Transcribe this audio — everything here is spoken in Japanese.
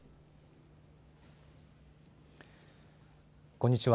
こんにちは。